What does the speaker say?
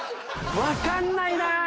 分かんないな！